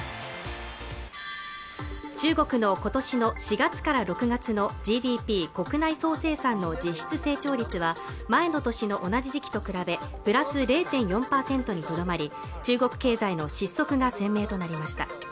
中国の今年の４月から６月のＧＤＰ＝国内総生産の実質成長率は前の年の同じ時期と比べプラス０．４％にとどまり中国経済の失速が鮮明となりました